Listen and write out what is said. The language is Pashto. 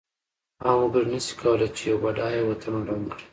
عام وګړی نشی کولای چې یو بډایه وطن ړنګ کړی.